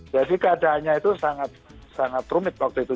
jadi keadaannya itu sangat rumit waktu itu